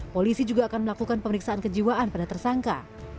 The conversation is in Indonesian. polisi juga akan melakukan pemeriksaan kejiwaan pada tersangka